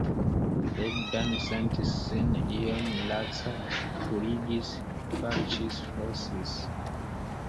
Bogdan sentis sin iom laca; purigis, falĉis, fosis.